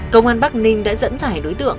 công an bắc ninh đã dẫn dải đối tượng